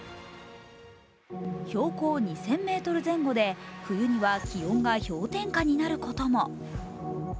標高２０００ｍ前後で、冬には気温が氷点下になることも。